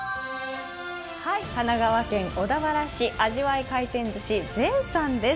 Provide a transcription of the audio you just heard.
神奈川県小田原市、あじわい回転寿司禅さんです。